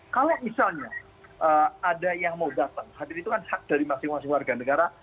kalau misalnya ada yang mau datang hadir itu kan hak dari masing masing warga negara